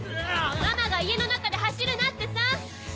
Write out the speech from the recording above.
ママが「家の中で走るな」ってさ！